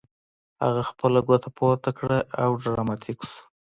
هغه خپله ګوته پورته کړه او ډراماتیک شو